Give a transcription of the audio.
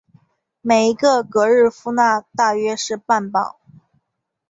每一个格日夫纳大约是半磅。